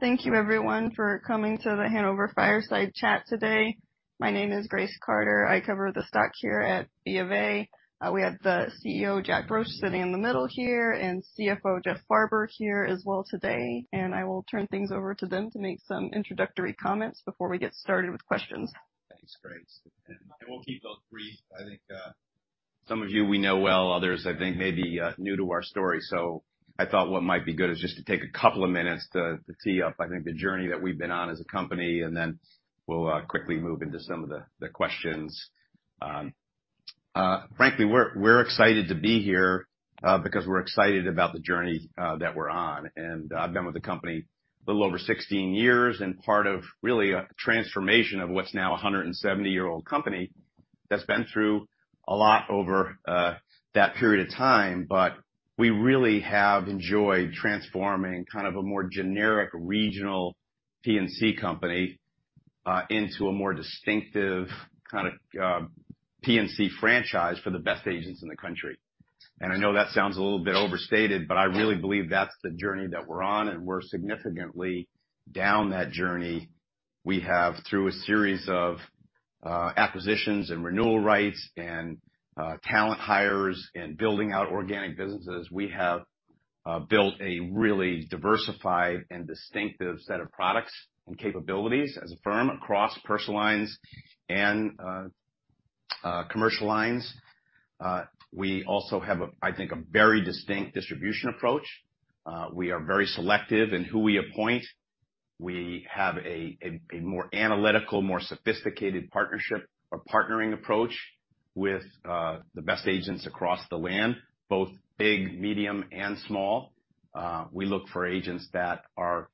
Thank you everyone for coming to the Hanover Fireside Chat today. My name is Grace Carter. I cover the stock here at BofA. We have the CEO, Jack Roche, sitting in the middle here, and CFO Jeff Farber here as well today. I will turn things over to them to make some introductory comments before we get started with questions. Thanks, Grace. We'll keep those brief. I think, some of you we know well, others I think may be new to our story. I thought what might be good is just to take a couple of minutes to tee up, I think the journey that we've been on as a company, then we'll quickly move into some of the questions. Frankly, we're excited to be here, because we're excited about the journey that we're on. I've been with the company a little over 16-years, and part of really a transformation of what's now a 170-year-old company that's been through a lot over that period of time. We really have enjoyed transforming kind of a more generic regional P&C company, into a more distinctive kind of, P&C franchise for the best agents in the country. I know that sounds a little bit overstated, but I really believe that's the journey that we're on, and we're significantly down that journey. We have, through a series of, acquisitions and renewal rights and, talent hires and building out organic businesses. We have, built a really diversified and distinctive set of products and capabilities as a firm across personal lines and, commercial lines. We also have, I think, a very distinct distribution approach. We are very Selective in who we appoint. We have a more analytical, more sophisticated partnership or partnering approach with, the best agents across the land, both big, medium, and small. We look for agents that are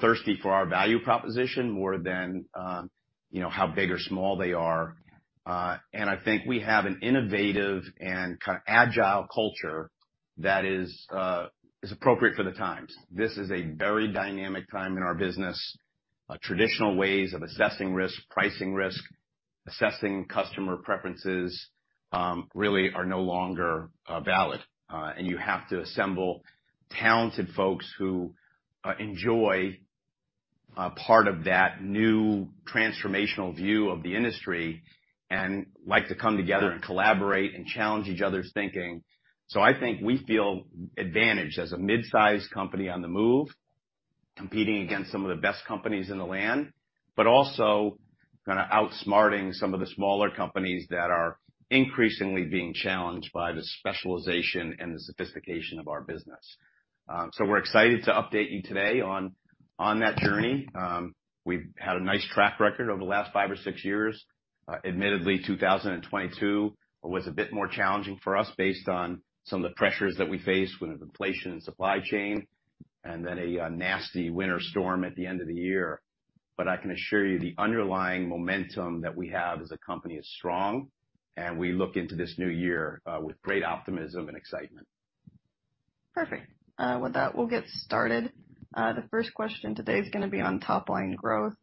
thirsty for our value proposition more than how big or small they are. I think we have an innovative and kind of agile culture that is appropriate for the times. This is a very dynamic time in our business. Traditional ways of assessing risk, pricing risk, assessing customer preferences, really are no longer valid. You have to assemble talented folks who enjoy part of that new transformational view of the industry and like to come together and collaborate and challenge each other's thinking. I think we feel advantaged as a mid-sized company on the move, competing against some of the best companies in the land, but also kind of outsmarting some of the smaller companies that are increasingly being challenged by the specialization and the sophistication of our business. We're excited to update you today on that journey. We've had a nice track record over the last five or six years. Admittedly, 2022 was a bit more challenging for us based on some of the pressures that we faced with inflation and supply chain and then a nasty winter storm at the end of the year. I can assure you the underlying momentum that we have as a company is strong, and we look into this new year with great optimism and excitement. Perfect. With that, we'll get started. The first question today is gonna be on top line growth.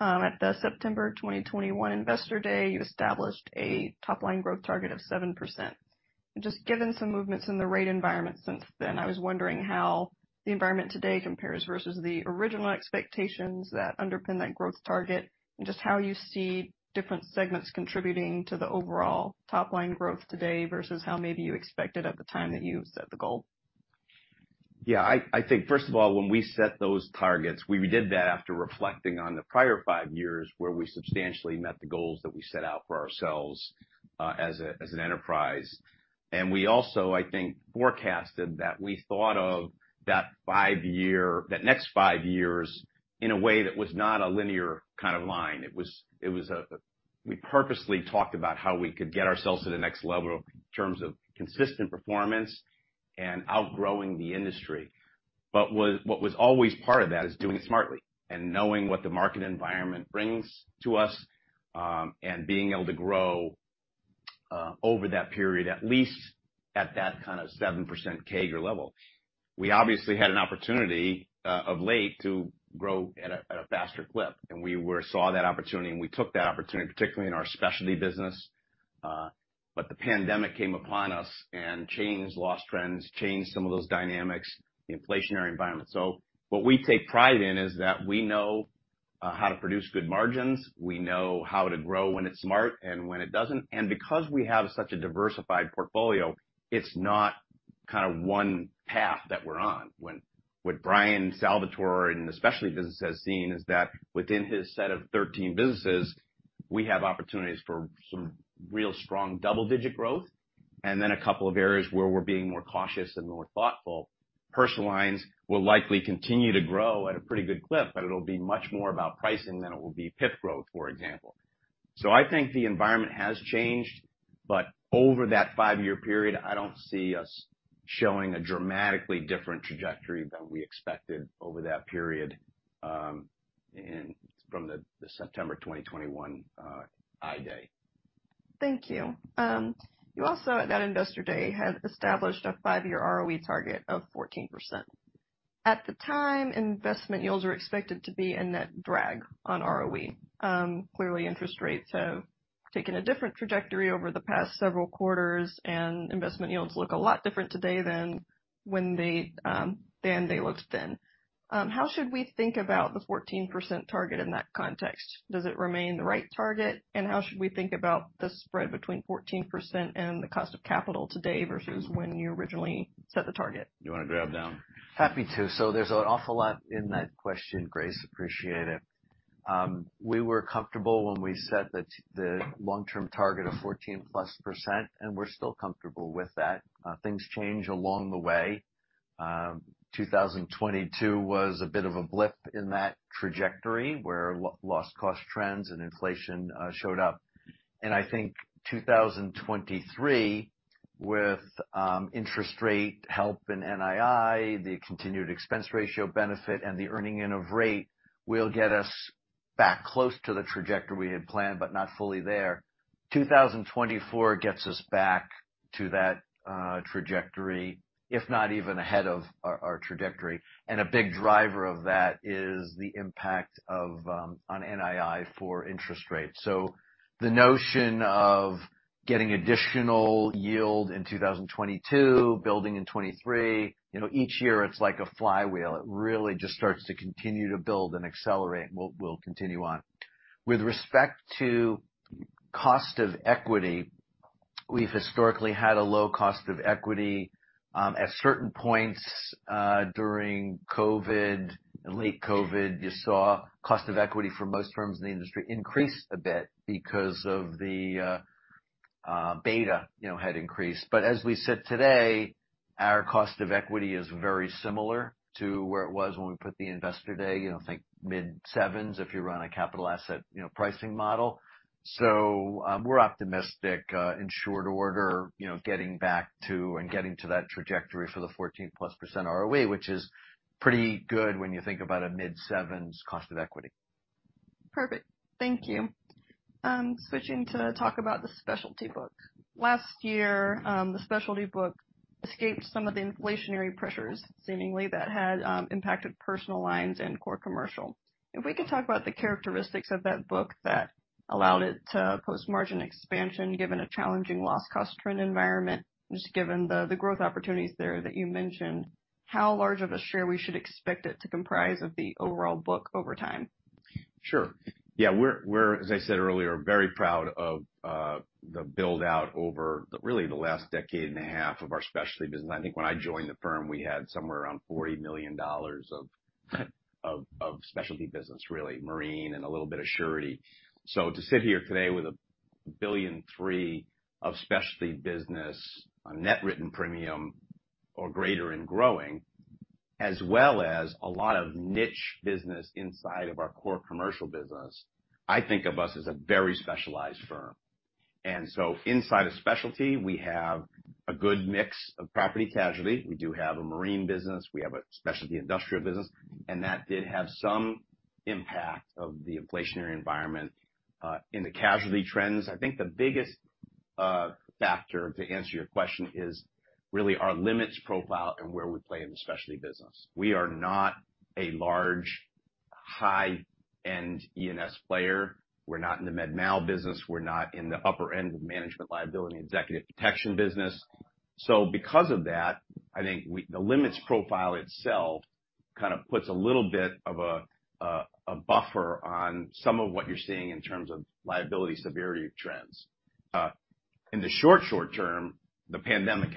At the September 2021 Investor Day, you established a top line growth target of 7%. Just given some movements in the rate environment since then, I was wondering how the environment today compares versus the original expectations that underpin that growth target and just how you see different segments contributing to the overall top line growth today versus how maybe you expected at the time that you set the goal. I think first of all, when we set those targets, we did that after reflecting on the prior five years, where we substantially met the goals that we set out for ourselves as an enterprise. We also, I think, forecasted that we thought of that five year, that next five years in a way that was not a linear kind of line. It was, we purposely talked about how we could get ourselves to the next level in terms of consistent performance and outgrowing the industry. What was always part of that is doing it smartly and knowing what the market environment brings to us and being able to grow over that period, at least at that kind of 7% CAGR level. We obviously had an opportunity of late to grow at a faster clip, and we saw that opportunity and we took that opportunity, particularly in our specialty business. The pandemic came upon us and changed loss trends, changed some of those dynamics, the inflationary environment. What we take pride in is that we know how to produce good margins. We know how to grow when it's smart and when it doesn't. Because we have such a diversified portfolio, it's not kind of one path that we're on. When what Bryan Salvatore in the specialty business has seen is that within his set of 13 businesses, we have opportunities for some real strong double-digit growth. Then a couple of areas where we're being more cautious and more thoughtful. Personal lines will likely continue to grow at a pretty good clip, but it'll be much more about pricing than it will be PIP growth, for example. I think the environment has changed, but over that five-year period, I don't see us showing a dramatically different trajectory than we expected over that period, from the September 2021 I Day. Thank you. You also at that Investor Day had established a five year ROE target of 14%. At the time, investment yields were expected to be a net drag on ROE. Clearly interest rates have taken a different trajectory over the past several quarters and investment yields look a lot different today than when they than they looked then. How should we think about the 14% target in that context? Does it remain the right target? How should we think about the spread between 14% and the cost of capital today versus when you originally set the target? You wanna grab down? Happy to. There's an awful lot in that question, Grace. Appreciate it. We were comfortable when we set the long-term target of 14%+, and we're still comfortable with that. Things change along the way. 2022 was a bit of a blip in that trajectory, where lost cost trends and inflation showed up. I think 2023, with interest rate help in NII, the continued expense ratio benefit and the earning in of rate will get us back close to the trajectory we had planned, but not fully there. 2024 gets us back to that trajectory, if not even ahead of our trajectory. A big driver of that is the impact of on NII for interest rates. The notion of getting additional yield in 2022, building in 2023, you know, each year it's like a flywheel. It really just starts to continue to build and accelerate, and we'll continue on. With respect to cost of equity, we've historically had a low cost of equity. At certain points, during COVID and late COVID, you saw cost of equity for most firms in the industry increase a bit because of the beta, you know, had increased. As we sit today, our cost of equity is very similar to where it was when we put the Investor Day, you know, think mid-7s if you run a capital asset, you know, pricing model. We're optimistic, in short order, you know, getting back to and getting to that trajectory for the 14%+ ROE, which is pretty good when you think about a mid-sevens cost of equity. Perfect. Thank you. Switching to talk about the specialty book. Last year, the specialty book escaped some of the inflationary pressures, seemingly, that had impacted personal lines and core commercial. If we could talk about the characteristics of that book that allowed it to post margin expansion given a challenging loss cost trend environment, just given the growth opportunities there that you mentioned, how large of a share we should expect it to comprise of the overall book over time? Sure. Yeah, we're as I said earlier, very proud of the build-out over really the last decade and a half of our specialty business. I think when I joined the firm, we had somewhere around $40 million of specialty business, really marine and a little bit of surety. To sit here today with $1.3 billion of specialty business on net written premium or greater and growing, as well as a lot of niche business inside of our core commercial business, I think of us as a very specialized firm. Inside of specialty, we have a good mix of property casualty. We do have a marine business, we have a specialty industrial business, and that did have some impact of the inflationary environment in the casualty trends. I think the biggest factor, to answer your question, is really our limits profile and where we play in the specialty business. We are not a large high-end E&S player. We're not in the med mal business. We're not in the upper end of management liability executive protection business. Because of that, I think the limits profile itself kind of puts a little bit of a buffer on some of what you're seeing in terms of liability severity trends. In the short term, the pandemic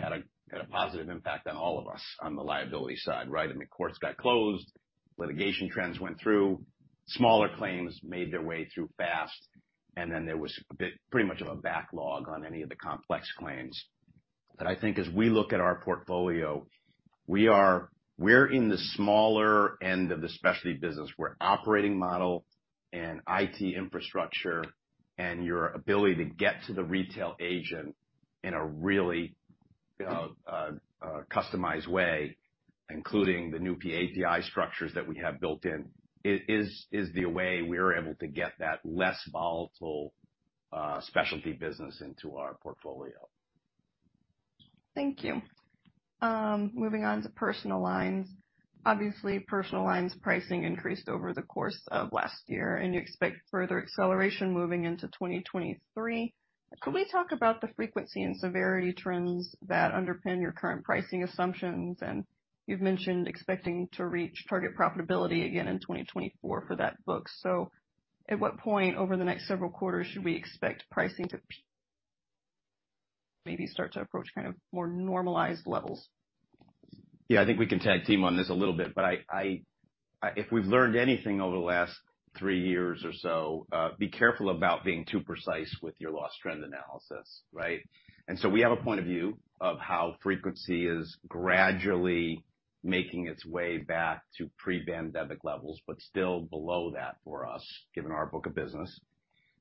had a positive impact on all of us on the liability side, right? I mean, courts got closed, litigation trends went through, smaller claims made their way through fast, and then there was a bit pretty much of a backlog on any of the complex claims. I think as we look at our portfolio, we're in the smaller end of the specialty business, where operating model and IT infrastructure and your ability to get to the retail agent in a really customized way, including the new PAPI structures that we have built in, is the way we're able to get that less volatile specialty business into our portfolio. Thank you. Moving on to personal lines. Obviously, personal lines pricing increased over the course of last year. You expect further acceleration moving into 2023. Could we talk about the frequency and severity trends that underpin your current pricing assumptions? You've mentioned expecting to reach target profitability again in 2024 for that book. At what point over the next several quarters should we expect pricing to maybe start to approach kind of more normalized levels? Yeah, I think we can tag team on this a little bit. If we've learned anything over the last three years or so, be careful about being too precise with your loss trend analysis, right? We have a point of view of how frequency is gradually making its way back to pre-pandemic levels, but still below that for us, given our book of business.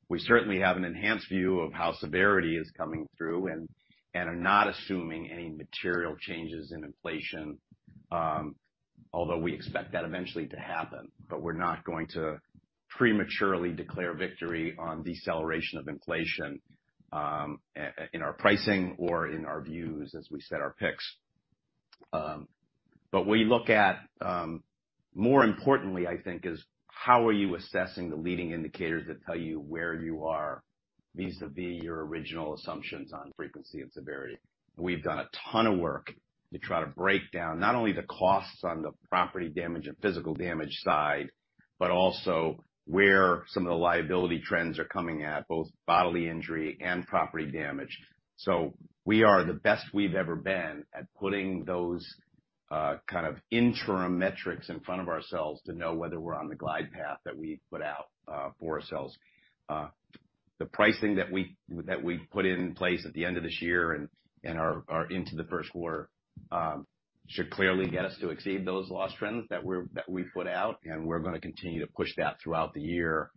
We certainly have an enhanced view of how severity is coming through and are not assuming any material changes in inflation, although we expect that eventually to happen, but we're not going to prematurely declare victory on deceleration of inflation, and in our pricing or in our views as we set our picks. We look at, more importantly, I think, is how are you assessing the leading indicators that tell you where you are vis-a-vis your original assumptions on frequency and severity. We've done a ton of work to try to break down not only the costs on the property damage and physical damage side, but also where some of the liability trends are coming at, both bodily injury and property damage. We are the best we've ever been at putting those kind of interim metrics in front of ourselves to know whether we're on the glide path that we put out for ourselves. The pricing that we put in place at the end of this year and are into the first quarter should clearly get us to exceed those loss trends that we put out, and we're gonna continue to push that throughout the year.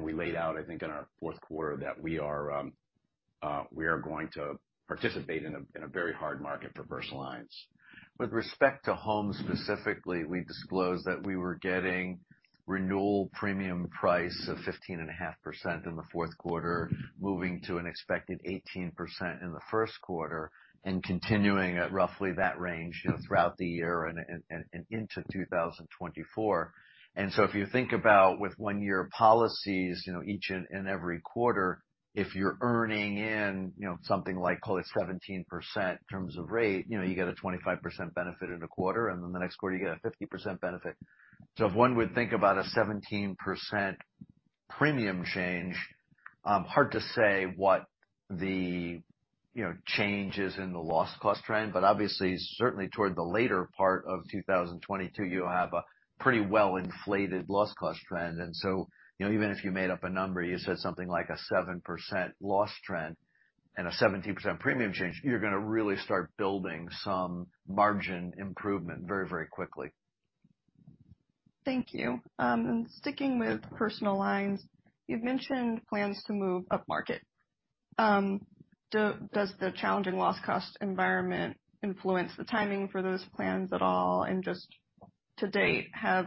We laid out, I think, in our fourth quarter that we are going to participate in a very hard market for personal lines. With respect to home specifically, we disclosed that we were getting renewal premium price of 15.5% in the Q4, moving to an expected 18% in the Q1, and continuing at roughly that range, you know, throughout the year and into 2024. If you think about with one year policies, you know, each and every quarter, if you're earning in, you know, something like, call it 17% in terms of rate, you know, you get a 25% benefit in a quarter, and then the next quarter you get a 50% benefit. If one would think about a 17% premium change, hard to say what the, you know, change is in the loss cost trend, but obviously certainly toward the later part of 2022, you have a pretty well inflated loss cost trend. You know, even if you made up a number, you said something like a 7% loss trend and a 17% premium change, you're going to really start building some margin improvement very, very quickly. Thank you. Sticking with personal lines, you've mentioned plans to move upmarket. Does the challenging loss cost environment influence the timing for those plans at all? Just to date, has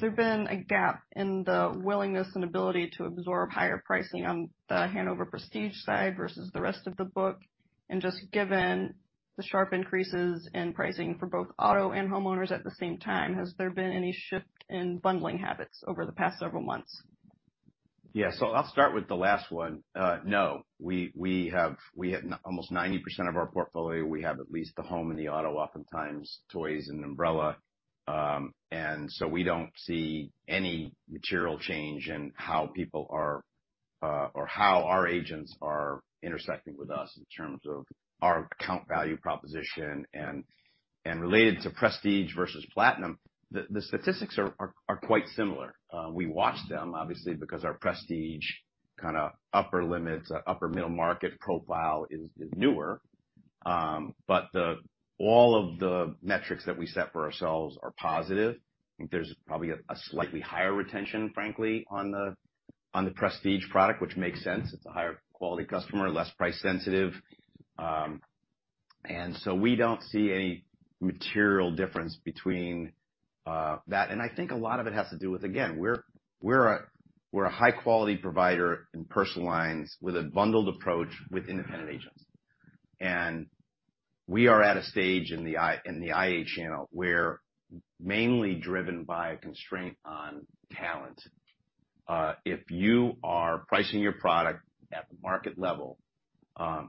there been a gap in the willingness and ability to absorb higher pricing on the Hanover Prestige side versus the rest of the book? Just given the sharp increases in pricing for both auto and homeowners at the same time, has there been any shift in bundling habits over the past several months? I'll start with the last one. No. We have almost 90% of our portfolio. We have at least the home and the auto, oftentimes toys and umbrella. We don't see any material change in how people are, or how our agents are intersecting with us in terms of our account value proposition. Related to Prestige versus Platinum, the statistics are quite similar. We watch them obviously because our Prestige kind of upper limits, upper middle market profile is newer. All of the metrics that we set for ourselves are positive. I think there's probably a slightly higher retention, frankly, on the Prestige product, which makes sense. It's a higher quality customer, less price sensitive. We don't see any material difference between that. I think a lot of it has to do with, again, we're a high quality provider in personal lines with a bundled approach with independent agents. We are at a stage in the IA channel where mainly driven by a constraint on talent. If you are pricing your product at the market level,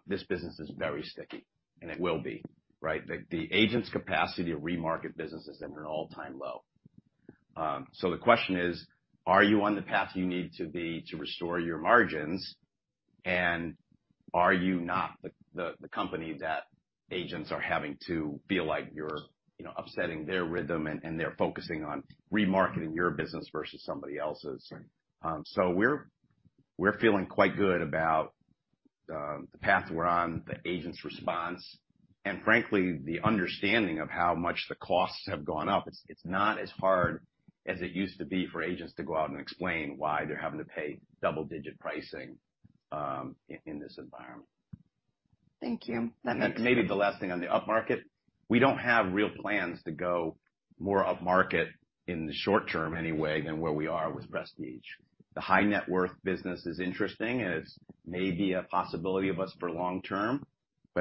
this business is very sticky, and it will be, right? The agent's capacity to remarket business is at an all-time low. The question is, are you on the path you need to be to restore your margins? Are you not the company that agents are having to feel like you're, you know, upsetting their rhythm, and they're focusing on remarketing your business versus somebody else's? We're feeling quite good about the path we're on, the agent's response, and frankly, the understanding of how much the costs have gone up. It's not as hard as it used to be for agents to go out and explain why they're having to pay double-digit pricing in this environment. Thank you. That makes sense. Maybe the last thing on the upmarket. We don't have real plans to go more upmarket in the short term anyway than where we are with Prestige. The high net worth business is interesting, and it's maybe a possibility of us for long term.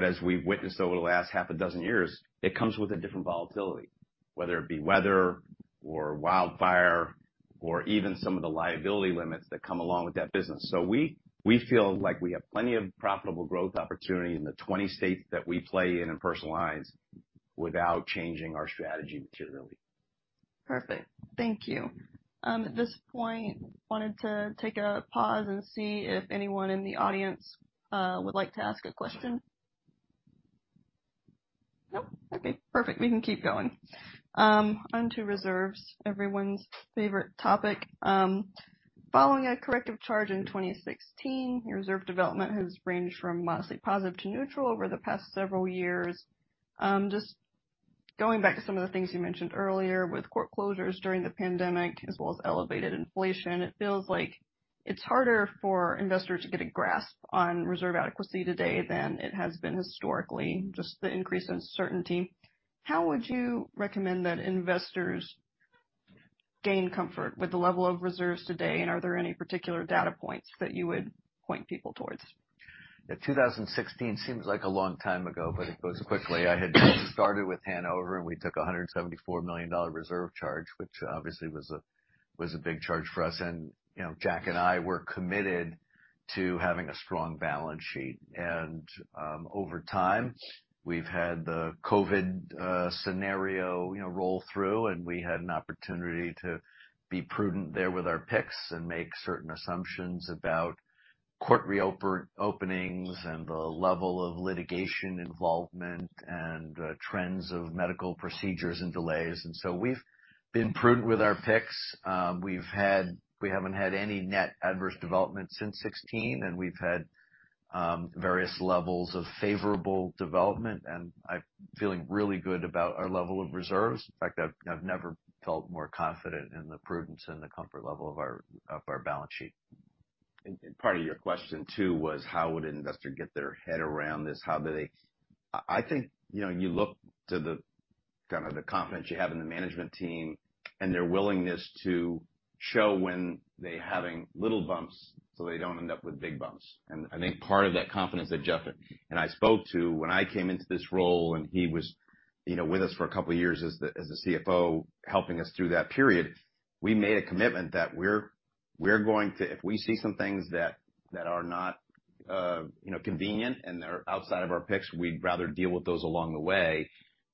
As we've witnessed over the last six years, it comes with a different volatility, whether it be weather or wildfire or even some of the liability limits that come along with that business. We feel like we have plenty of profitable growth opportunity in the 20-states that we play in personal lines without changing our strategy materially. Perfect. Thank you. At this point, wanted to take a pause and see if anyone in the audience would like to ask a question. Nope. Okay, perfect. We can keep going. On to reserves, everyone's favorite topic. Following a corrective charge in 2016, your reserve development has ranged from modestly positive to neutral over the past several years. Just going back to some of the things you mentioned earlier, with court closures during the pandemic as well as elevated inflation, it feels like it's harder for investors to get a grasp on reserve adequacy today than it has been historically, just the increase in certainty. How would you recommend that investors gain comfort with the level of reserves today, and are there any particular data points that you would point people towards? The 2016 seems like a long time ago, but it goes quickly. I had just started with Hanover, we took a $174 million reserve charge, which obviously was a big charge for us. You know, Jack and I were committed to having a strong balance sheet. Over time, we've had the COVID scenario, you know, roll through, and we had an opportunity to be prudent there with our picks and make certain assumptions about court reopenings and the level of litigation involvement and trends of medical procedures and delays. We've been prudent with our picks. We haven't had any net adverse developments since 2016, and we've had various levels of favorable development. I'm feeling really good about our level of reserves. In fact, I've never felt more confident in the prudence and the comfort level of our balance sheet. Part of your question, too, was how would an investor get their head around this? How do they, I think, you know, you look to the kind of the confidence you have in the management team and their willingness to show when they're having little bumps, so they don't end up with big bumps. I think part of that confidence that Jeff and I spoke to when I came into this role, and he was, you know, with us for a couple of years as the CFO helping us through that period, we made a commitment that we're going to, if we see some things that are not, you know, convenient and are outside of our picks, we'd rather deal with those along the way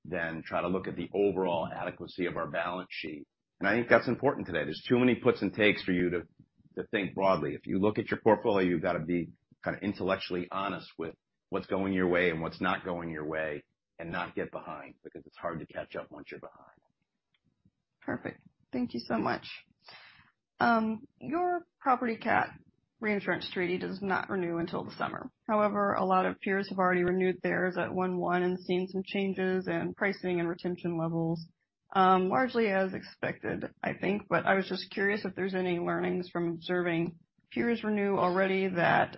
than try to look at the overall adequacy of our balance sheet. I think that's important today. There's too many puts and takes for you to think broadly. If you look at your portfolio, you've got to be kind of intellectually honest with what's going your way and what's not going your way and not get behind because it's hard to catch up once you're behind. Perfect. Thank you so much. Your property cat reinsurance treaty does not renew until the summer. A lot of peers have already renewed theirs at one-one and seen some changes in pricing and retention levels, largely as expected, I think. I was just curious if there's any learnings from observing peers renew already that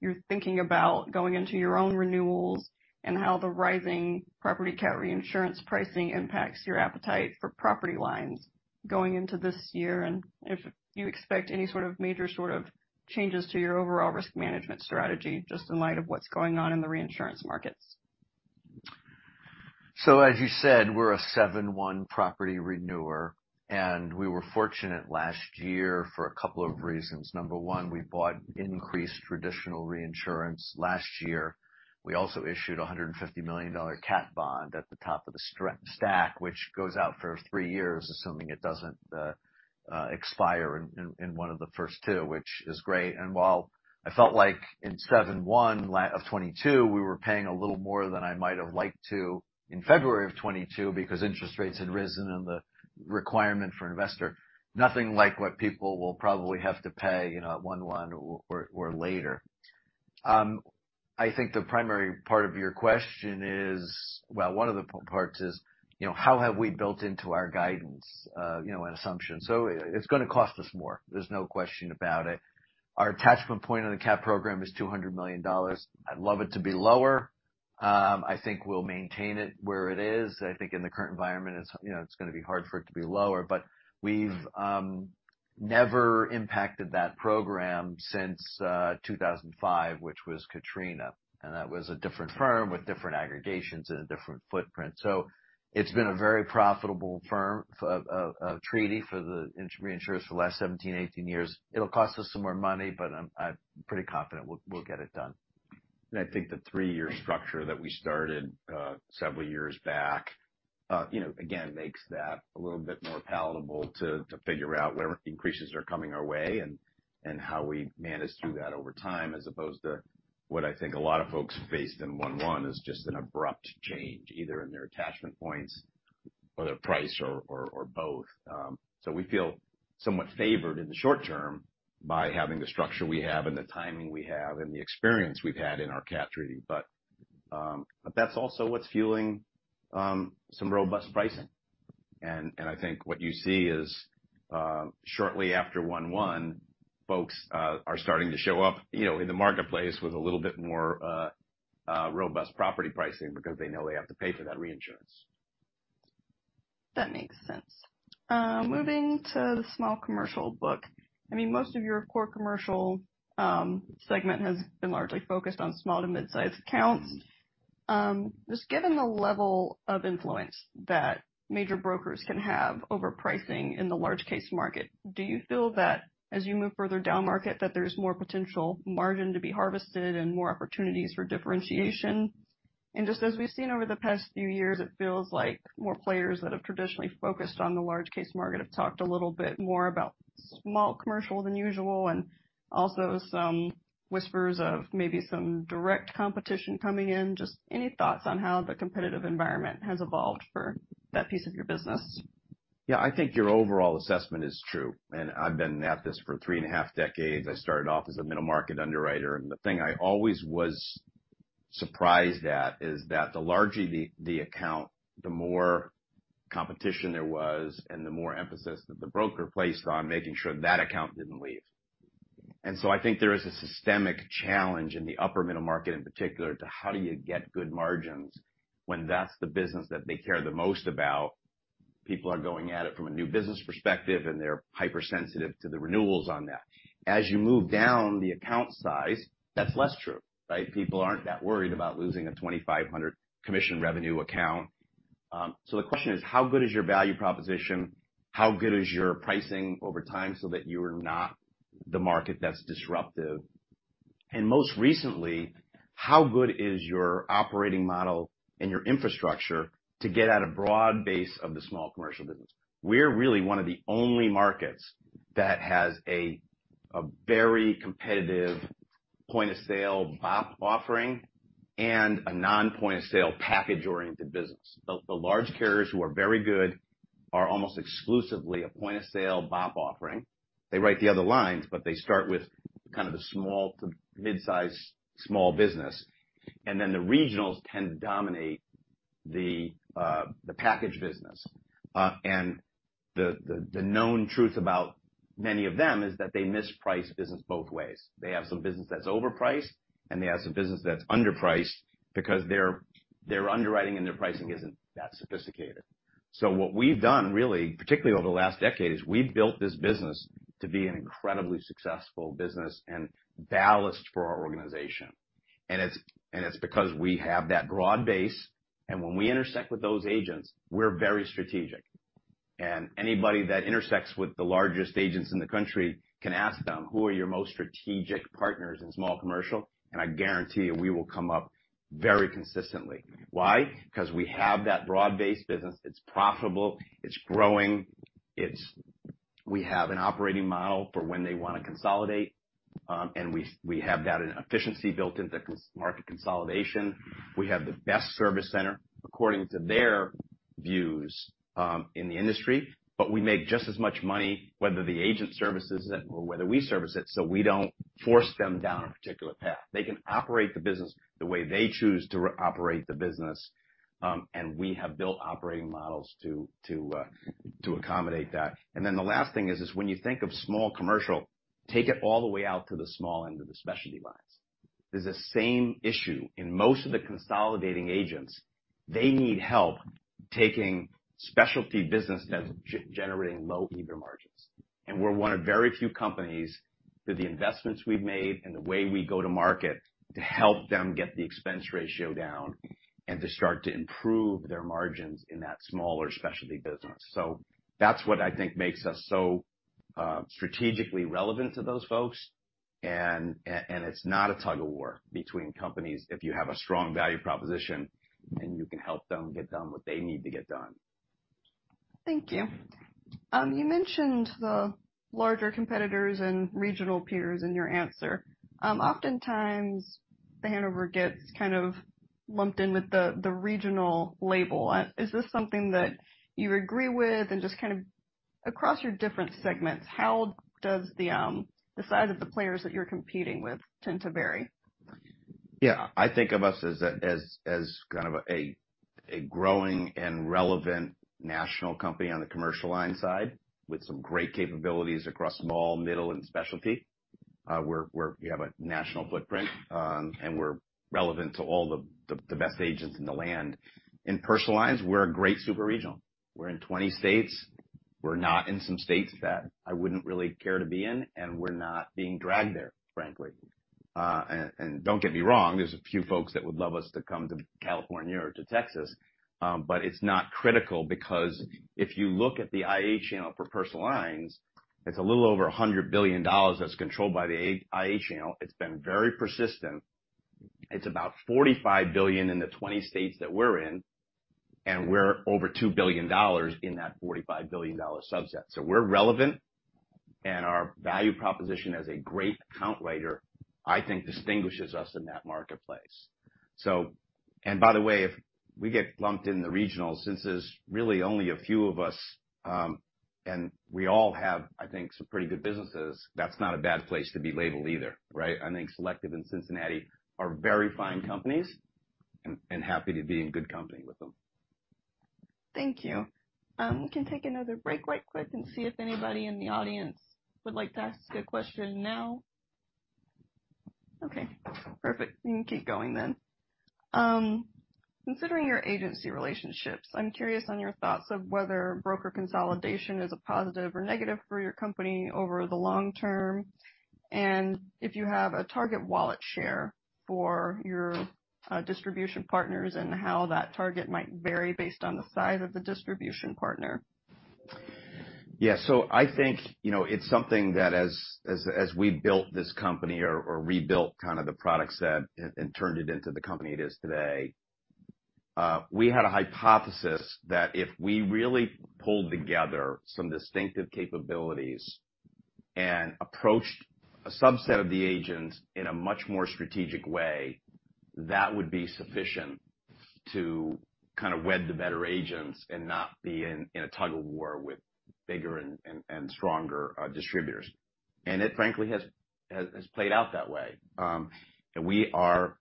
you're thinking about going into your own renewals and how the rising property cat reinsurance pricing impacts your appetite for property lines going into this year, and if you expect any sort of major sort of changes to your overall risk management strategy, just in light of what's going on in the reinsurance markets. As you said, we're a seven-one property renewer, and we were fortunate last year for a couple of reasons. Number one, we bought increased traditional reinsurance last year. We also issued a $150 million cat bond at the top of the stack, which goes out for three years, assuming it doesn't expire in one of the first two, which is great. While I felt like in seven-one of 2022, we were paying a little more than I might have liked to in February of 2022 because interest rates had risen and the requirement for investor, nothing like what people will probably have to pay, you know, at one-one or later. I think the primary part of your question is... Well, one of the parts is, you know, how have we built into our guidance, you know, an assumption? It's gonna cost us more. There's no question about it. Our attachment point on the cat program is $200 million. I'd love it to be lower. I think we'll maintain it where it is. I think in the current environment, it's, you know, it's gonna be hard for it to be lower. We've never impacted that program since 2005, which was Katrina, and that was a different firm with different aggregations and a different footprint. It's been a very profitable firm of treaty for the reinsurance for the last 17, 18-years. It'll cost us some more money, but I'm pretty confident we'll get it done. I think the three year structure that we started, several years back, you know, again, makes that a little bit more palatable to figure out where increases are coming our way and how we manage through that over time, as opposed to what I think a lot of folks faced in one-one is just an abrupt change, either in their attachment points or their price or, or both. We feel somewhat favored in the short term by having the structure we have and the timing we have and the experience we've had in our cat treaty. That's also what's fueling some robust pricing. I think what you see is, shortly after one-one, folks are starting to show up, you know, in the marketplace with a little bit more robust property pricing because they know they have to pay for that reinsurance. That makes sense. Moving to the small commercial book. I mean, most of your core commercial segment has been largely focused on small to mid-sized accounts. Just given the level of influence that major brokers can have over pricing in the large case market, do you feel that as you move further down market, that there's more potential margin to be harvested and more opportunities for differentiation? Just as we've seen over the past few years, it feels like more players that have traditionally focused on the large case market have talked a little bit more about small commercial than usual and also some whispers of maybe some direct competition coming in. Just any thoughts on how the competitive environment has evolved for that piece of your business? Yeah. I think your overall assessment is true. I've been at this for three and a half decades. I started off as a middle market underwriter. The thing I always was surprised at is that the larger the account, the more competition there was and the more emphasis that the broker placed on making sure that account didn't leave. So I think there is a systemic challenge in the upper middle market in particular to how do you get good margins when that's the business that they care the most about. People are going at it from a new business perspective. They're hypersensitive to the renewals on that. As you move down the account size, that's less true, right? People aren't that worried about losing a $2,500 commission revenue account. The question is, how good is your value proposition? How good is your pricing over time so that you're not the market that's disruptive? Most recently, how good is your operating model and your infrastructure to get at a broad base of the small commercial business? We're really one of the only markets that has a very competitive point-of-sale BOP offering and a non-point-of-sale package-oriented business. The large carriers who are very good are almost exclusively a point-of-sale BOP offering. They write the other lines, but they start with kind of the small to mid-size small business, and then the regionals tend to dominate the package business. The known truth about many of them is that they misprice business both ways. They have some business that's overpriced, and they have some business that's underpriced because their underwriting and their pricing isn't that sophisticated. What we've done really, particularly over the last decade, is we've built this business to be an incredibly successful business and ballast for our organization. It's because we have that broad base, and when we intersect with those agents, we're very strategic. Anybody that intersects with the largest agents in the country can ask them, who are your most strategic partners in small commercial? I guarantee you, we will come up very consistently. Why? 'Cause we have that broad-based business. It's profitable, it's growing, it's. We have an operating model for when they wanna consolidate, and we have that efficiency built into market consolidation. We have the best service center, according to their views, in the industry. We make just as much money whether the agent services it or whether we service it, so we don't force them down a particular path. They can operate the business the way they choose to operate the business, and we have built operating models to accommodate that. The last thing is when you think of small commercial, take it all the way out to the small end of the specialty lines. There's the same issue in most of the consolidating agents. They need help taking specialty business that's generating low EBITDA margins. We're one of very few companies through the investments we've made and the way we go to market to help them get the expense ratio down and to start to improve their margins in that smaller specialty business. That's what I think makes us so strategically relevant to those folks. It's not a tug-of-war between companies if you have a strong value proposition and you can help them get done what they need to get done. Thank you. You mentioned the larger competitors and regional peers in your answer. Oftentimes The Hanover gets kind of lumped in with the regional label. Is this something that you agree with? Just kind of across your different segments, how does the size of the players that you're competing with tend to vary? Yeah. I think of us as kind of a growing and relevant national company on the commercial line side with some great capabilities across small, middle, and specialty. We have a national footprint, and we're relevant to all the best agents in the land. In personal lines, we're a great super regional. We're in 20-states. We're not in some states that I wouldn't really care to be in, and we're not being dragged there, frankly. Don't get me wrong, there's a few folks that would love us to come to California or to Texas, but it's not critical because if you look at the IA channel for personal lines, it's a little over $100 billion that's controlled by the IA channel. It's been very persistent. It's about $45 billion in the 20-states that we're in, and we're over $2 billion in that $45 billion subset. We're relevant, and our value proposition as a great account writer, I think distinguishes us in that marketplace. By the way, if we get lumped in the regional, since there's really only a few of us, and we all have, I think, some pretty good businesses, that's not a bad place to be labeled either, right? I think Selective and Cincinnati are very fine companies and happy to be in good company with them. Thank you. We can take another break quite quick and see if anybody in the audience would like to ask a question now. Perfect. We can keep going. Considering your agency relationships, I'm curious on your thoughts of whether broker consolidation is a positive or negative for your company over the long term, and if you have a target wallet share for your distribution partners and how that target might vary based on the size of the distribution partner? Yeah. I think, you know, it's something that as we built this company or rebuilt kind of the product set and turned it into the company it is today, we had a hypothesis that if we really pulled together some distinctive capabilities and approached a subset of the agents in a much more strategic way, that would be sufficient to kind of wed the better agents and not be in a tug-of-war with bigger and stronger distributors. It frankly has played out that way. We are,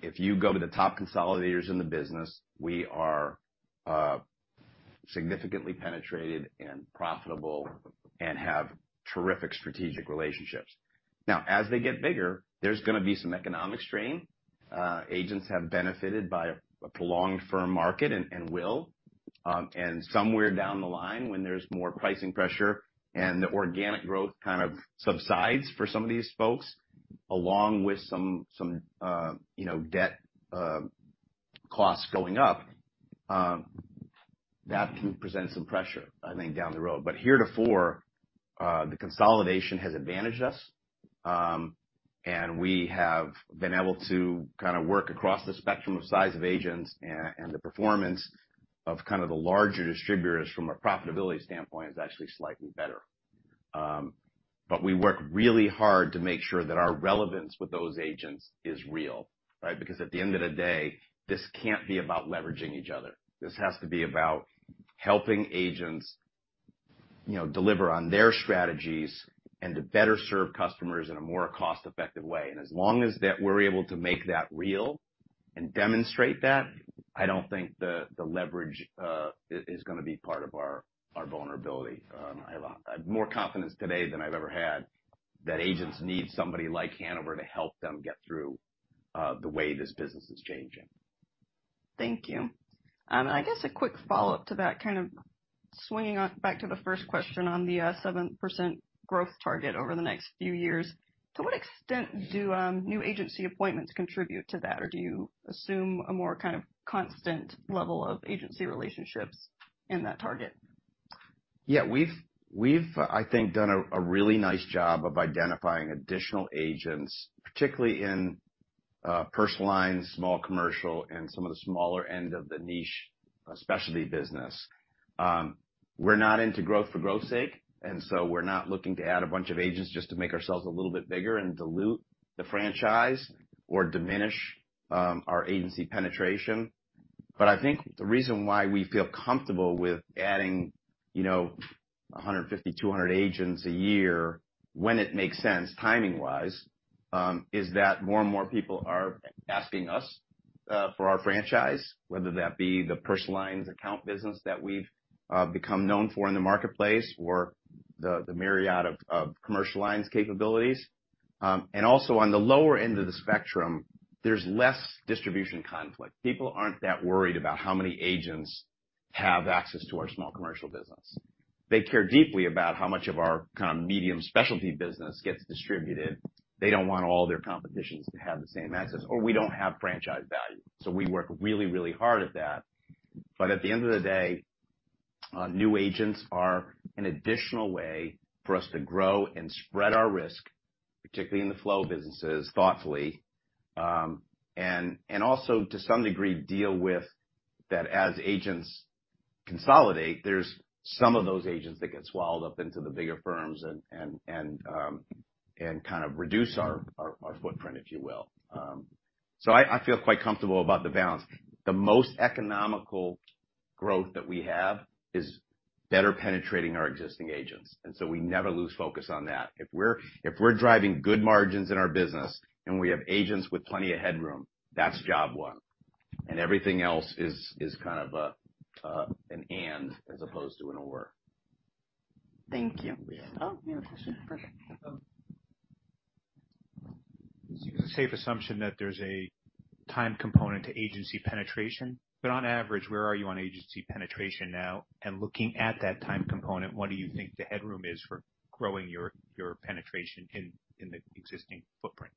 if you go to the top consolidators in the business, we are significantly penetrated and profitable and have terrific strategic relationships. Now, as they get bigger, there's going to be some economic strain. Agents have benefited by a prolonged firm market and will. Somewhere down the line when there's more pricing pressure and the organic growth kind of subsides for some of these folks, along with some, you know, debt, costs going up, that can present some pressure, I think, down the road. Heretofore, the consolidation has advantaged us, and we have been able to kind of work across the spectrum of size of agents and the performance of kind of the larger distributors from a profitability standpoint is actually slightly better. We work really hard to make sure that our relevance with those agents is real, right? Because at the end of the day, this can't be about leveraging each other. This has to be about helping agents, you know, deliver on their strategies and to better serve customers in a more cost-effective way. As long as that we're able to make that real and demonstrate that, I don't think the leverage is going to be part of our vulnerability. I have more confidence today than I've ever had that agents need somebody like Hanover to help them get through, the way this business is changing. Thank you. I guess a quick follow-up to that, kind of swinging back to the first question on the 7% growth target over the next few years. To what extent do new agency appointments contribute to that? Do you assume a more kind of constant level of agency relationships in that target? We've, I think, done a really nice job of identifying additional agents, particularly in personal lines, small commercial, and some of the smaller end of the niche specialty business. We're not into growth for growth's sake, we're not looking to add a bunch of agents just to make ourselves a little bit bigger and dilute the franchise or diminish our agency penetration. I think the reason why we feel comfortable with adding, you know, 150, 200 agents a year when it makes sense timing-wise, is that more and more people are asking us for our franchise, whether that be the personal lines account business that we've become known for in the marketplace or the myriad of commercial lines capabilities. Also on the lower end of the spectrum, there's less distribution conflict. People aren't that worried about how many agents have access to our small commercial business. They care deeply about how much of our kind of medium specialty business gets distributed. They don't want all their competitions to have the same access, or we don't have franchise value. We work really, really hard at that. At the end of the day, new agents are an additional way for us to grow and spread our risk, particularly in the flow of businesses thoughtfully, and also to some degree deal with that as agents consolidate, there's some of those agents that get swallowed up into the bigger firms and kind of reduce our footprint, if you will. I feel quite comfortable about the balance. The most economical growth that we have is better penetrating our existing agents, and so we never lose focus on that. If we're driving good margins in our business and we have agents with plenty of headroom, that's job one. Everything else is kind of an and as opposed to an or. Thank you. Oh, you have a question. Perfect. It's a safe assumption that there's a time component to agency penetration. On average, where are you on agency penetration now? Looking at that time component, what do you think the headroom is for growing your penetration in the existing footprint?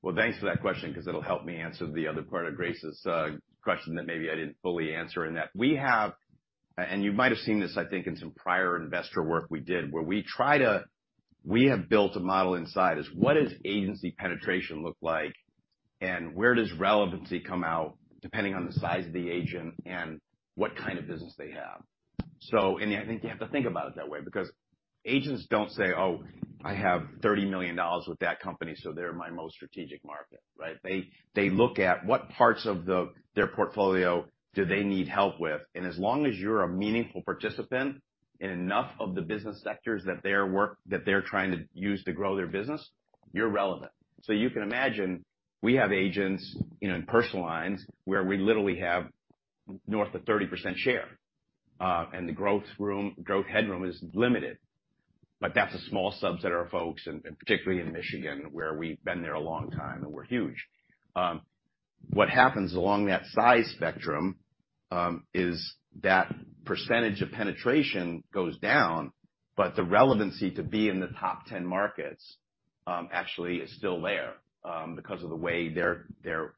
Well, thanks for that question 'cause it'll help me answer the other part of Grace's question that maybe I didn't fully answer in that. We have, and you might have seen this, I think, in some prior investor work we did, where we have built a model inside is what does agency penetration look like and where does relevancy come out depending on the size of the agent and what kind of business they have. I think you have to think about it that way because agents don't say, "Oh, I have $30 million with that company, so they're my most strategic market." Right? They look at what parts of their portfolio do they need help with. As long as you're a meaningful participant in enough of the business sectors that they're trying to use to grow their business, you're relevant. You can imagine we have agents, you know, in personal lines where we literally have north of 30% share, and the growth room, growth headroom is limited. That's a small subset of our folks, and particularly in Michigan, where we've been there a long time and we're huge. What happens along that size spectrum is that percentage of penetration goes down, but the relevancy to be in the top 10 markets, actually is still there because of the way they're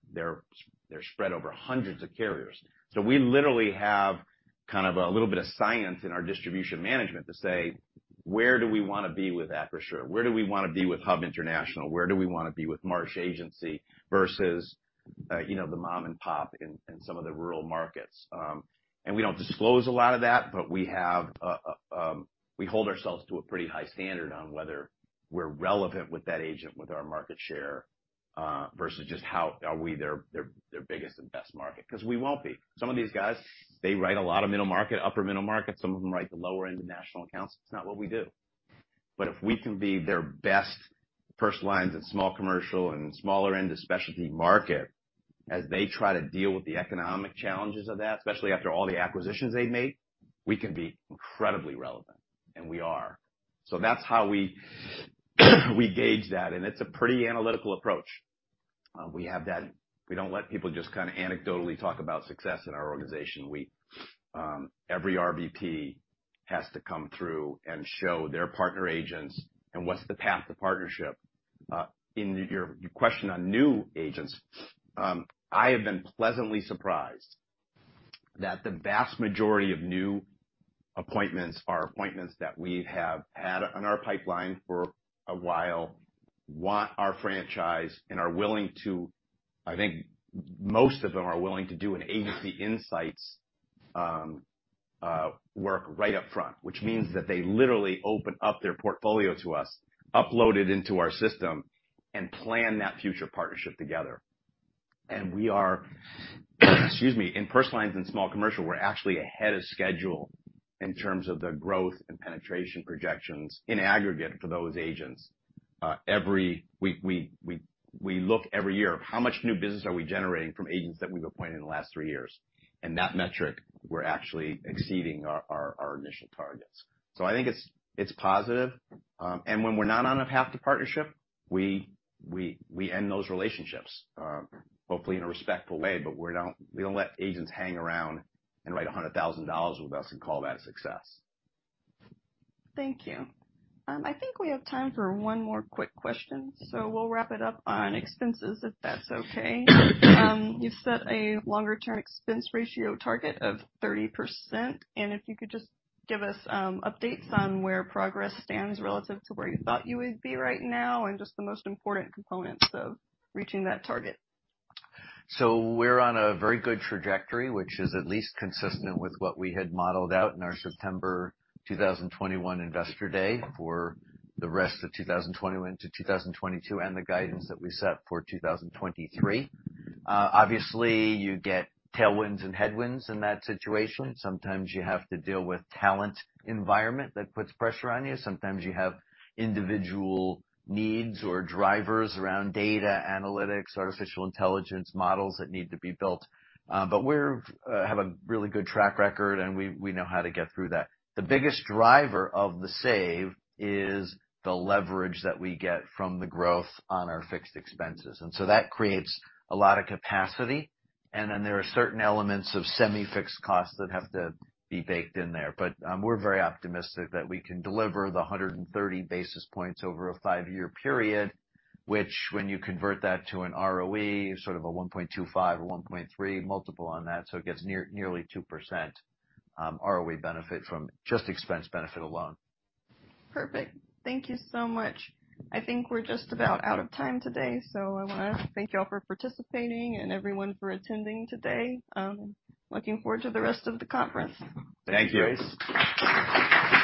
spread over hundreds of carriers. We literally have kind of a little bit of science in our distribution management to say, where do we want to be with Acrisure? Where do we want to be with HUB International? Where do we want to be with Marsh Agency versus, you know, the mom and pop in some of the rural markets? We don't disclose a lot of that, but we have a pretty high standard on whether we're relevant with that agent with our market share versus just how are we their biggest and best market, 'cause we won't be. Some of these guys, they write a lot of middle market, upper middle market. Some of them write the lower-end national accounts. It's not what we do. If we can be their best personal lines in small commercial and smaller end of specialty market as they try to deal with the economic challenges of that, especially after all the acquisitions they've made, we can be incredibly relevant, and we are. That's how we gauge that, and it's a pretty analytical approach. We have that. We don't let people just kind of anecdotally talk about success in our organization. We, every RVP has to come through and show their partner agents and what's the path to partnership. In your question on new agents, I have been pleasantly surprised that the vast majority of new appointments are appointments that we have had on our pipeline for a while, want our franchise, and are willing to, I think most of them are willing to do an Agency Insight work right up front, which means that they literally open up their portfolio to us, upload it into our system, and plan that future partnership together. We are, excuse me, in personal lines and small commercial, we're actually ahead of schedule in terms of the growth and penetration projections in aggregate for those agents. Every week we look every year, how much new business are we generating from agents that we've appointed in the last three years? That metric we're actually exceeding our initial targets. I think it's positive. When we're not on a path to partnership, we end those relationships, hopefully in a respectful way, but we don't let agents hang around and write $100,000 with us and call that a success. Thank you. I think we have time for one more quick question, so we'll wrap it up on expenses if that's okay. You've set a longer-term expense ratio target of 30%, and if you could just give us updates on where progress stands relative to where you thought you would be right now and just the most important components of reaching that target. We're on a very good trajectory, which is at least consistent with what we had modeled out in our September 2021 Investor Day for the rest of 2021 to 2022 and the guidance that we set for 2023. Obviously, you get tailwinds and headwinds in that situation. Sometimes you have to deal with talent environment that puts pressure on you. Sometimes you have individual needs or drivers around data analytics, artificial intelligence models that need to be built. But we have a really good track record, and we know how to get through that. The biggest driver of the save is the leverage that we get from the growth on our fixed expenses. That creates a lot of capacity. And then there are certain elements of semi-fixed costs that have to be baked in there. We're very optimistic that we can deliver the 130 basis points over a five year period, which when you convert that to an ROE, sort of a 1.25 or 1.3 multiple on that, so it gets near-nearly 2% ROE benefit from just expense benefit alone. Perfect. Thank you so much. I think we're just about out of time today, I wanna thank you all for participating and everyone for attending today. Looking forward to the rest of the conference. Thank you. Thanks.